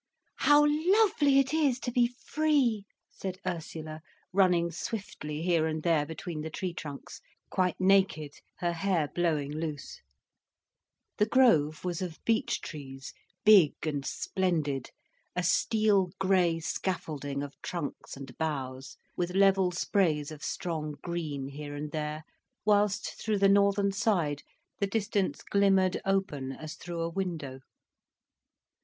"How lovely it is to be free," said Ursula, running swiftly here and there between the tree trunks, quite naked, her hair blowing loose. The grove was of beech trees, big and splendid, a steel grey scaffolding of trunks and boughs, with level sprays of strong green here and there, whilst through the northern side the distance glimmered open as through a window.